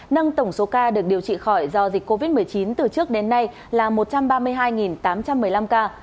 nâng tổng số ca được điều trị khỏi do dịch covid một mươi chín từ trước đến nay là một trăm ba mươi hai tám trăm một mươi năm ca